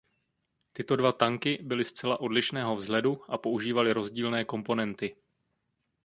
Tyto dva tanky byly zcela odlišného vzhledu a používaly rozdílné komponenty.